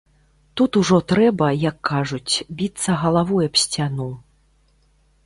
Тут ужо трэба, як кажуць, біцца галавой аб сцяну.